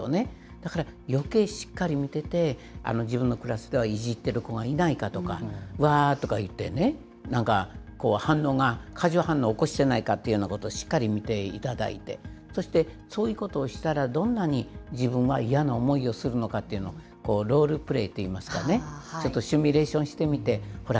だから、余計しっかり見てて、自分のクラスではいじってる子がいないかとか、わーとか言ってね、なんか反応が過剰反応を起こしてないかというようなことをしっかり見ていただいて、そしてそういうことをしたら、どんなに自分は嫌な思いをするのかっていうのを、ロールプレイといいますかね、ちょっとシミュレーションしてみて、ほら、